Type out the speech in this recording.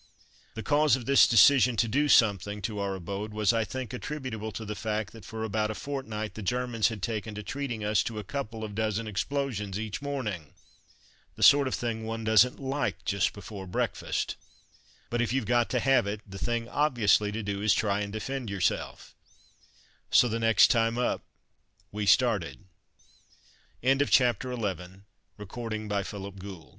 The cause of this decision to do something, to our abode was, I think, attributable to the fact that for about a fortnight the Germans had taken to treating us to a couple of dozen explosions each morning the sort of thing one doesn't like just before breakfast; but if you've got to have it, the thing obviously to do is to try and defend yourself; so the next time, up we started. CHAPTER XII A BRAIN WAVE MAKING A "FUNK HOLE" PLUGSTREET WOOD SNIPI